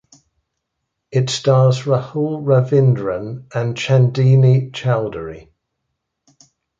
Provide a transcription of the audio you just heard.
It stars Rahul Ravindran and Chandini Chowdary.